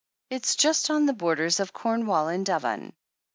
It's just on the borders of Cornwall and Devon."